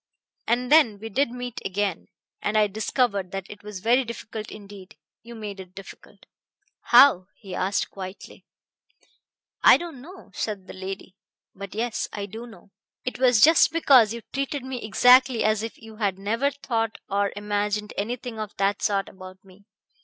And then we did meet again, and I discovered that it was very difficult indeed. You made it difficult." "How?" he asked quietly. "I don't know," said the lady. "But yes I do know. It was just because you treated me exactly as if you had never thought or imagined anything of that sort about me.